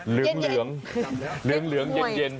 เหลืองเย็น